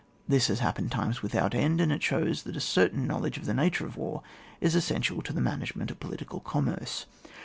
This has happened times without end, and it shows that a certain knowledge of the nature of war is essential to the management of political commerce.